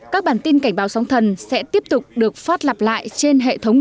các bản tin cảnh báo sóng thần sẽ tiếp tục ở ngoài khơi thật xa bờ cho đến khi hết cảnh báo